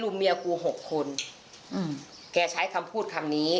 หนูก็เลยหนูจะทำอย่างไรดี